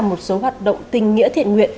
một số hoạt động tình nghĩa thiện nguyện